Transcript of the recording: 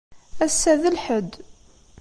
Ass-a d Lḥedd.